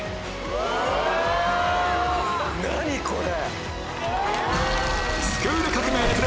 何これ。